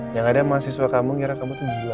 yang ada sama asiswa kamu kira kamu tuh gila